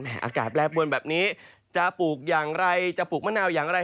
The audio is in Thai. อากาศแปรปวนแบบนี้จะปลูกอย่างไรจะปลูกมะนาวอย่างไร